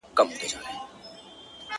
ما ويل ددې به هېرول نه وي زده.